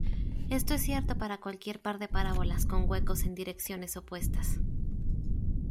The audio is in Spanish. Esto es cierto para cualquier par de parábolas con huecos en direcciones opuestas.